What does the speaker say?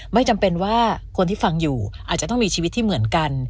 ไม่จำเป็นว่าคนที่ฟังอยู่อาจจะต้องมีชีวิตที่เหมือนกัน